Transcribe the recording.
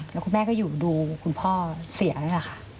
แล้วคุณแม่ก็อยู่ดูคุณพ่อเสียนี่แหละค่ะ